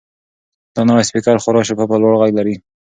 دا نوی سپیکر خورا شفاف او لوړ غږ لري.